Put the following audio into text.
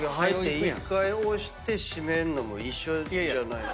一回押して閉めんのも一緒じゃないの？